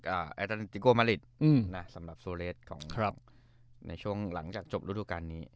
อ่าเอธานิจิโกมะลิสอืมน่ะสำหรับโซเลสของครับในช่วงหลังจากจบรุดฐุการณ์นี้